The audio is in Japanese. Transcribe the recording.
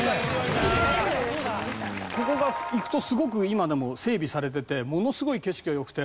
ここが行くとすごく今でも整備されててものすごい景色がよくて。